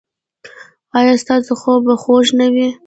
ایا ستاسو خوب به خوږ نه وي؟